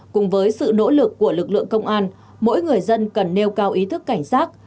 cùng với sự nỗ lực của lực lượng công an mỗi người dân cần nêu cao ý thức cảnh sát